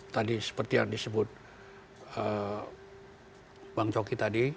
tadi seperti yang disebut bang coki tadi